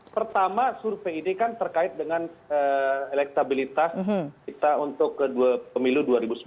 pertama survei ini kan terkait dengan elektabilitas kita untuk pemilu dua ribu sembilan belas